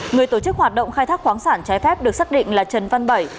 người tổ chức hoạt động khai thác khoáng sản trái phép được xác định là trần văn bảy